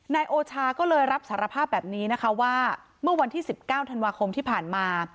นายโอชาก็เลยรับสารภาพแบบนี้นะคะว่าเมื่อวันที่๑๙ธันวาคมที่ผ่านมา